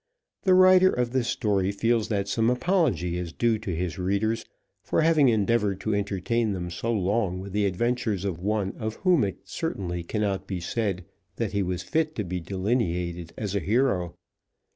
The writer of this story feels that some apology is due to his readers for having endeavoured to entertain them so long with the adventures of one of whom it certainly cannot be said that he was fit to be delineated as a hero.